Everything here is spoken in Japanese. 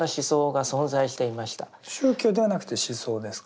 宗教ではなくて思想ですか。